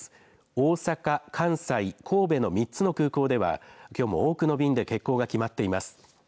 大阪、関西、神戸の３つの空港ではきょうも多くの便で欠航が決まっています。